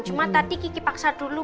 cuma tadi kiki paksa dulu